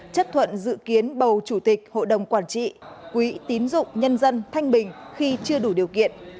chất thuận dự kiến bầu chủ tịch hội đồng quản trị quỹ tín dụng nhân dân thanh bình khi chưa đủ điều kiện